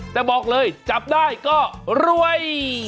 แต่บอกเลยจับได้ก็รวย